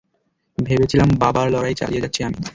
ভেবেছিলাম, বাবার লড়াই চালিয়ে যাচ্ছি আমি।